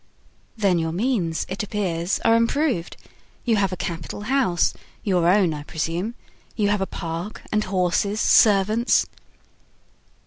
"Then your means, it appears, are improved; you have a capital house—your own, I presume? You have a park, and horses, servants."